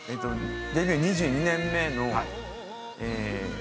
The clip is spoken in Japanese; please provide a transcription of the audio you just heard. デビュー２２年目のえ